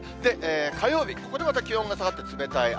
火曜日、ここでまた気温が下がって冷たい雨。